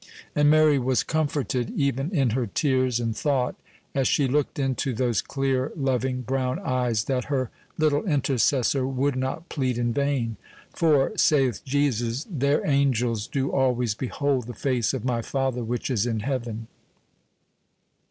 And Mary was comforted even in her tears and thought, as she looked into those clear, loving brown eyes, that her little intercessor would not plead in vain; for saith Jesus, "Their angels do always behold the face of my Father which is in heaven."